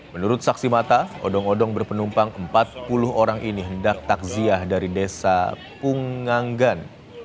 menurut saksi mata odong odong berpenumpang empat puluh orang ini hendak takziah dari desa punganggan